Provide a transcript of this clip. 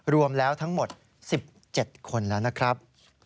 รวมแล้วทั้งหมด๑๗คนแล้วนะครับ